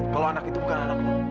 kalau anak itu bukan anak lo